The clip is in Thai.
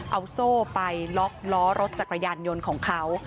เอาโซ่ไปล็อกล้อรถจักรยานยนต์ของเขา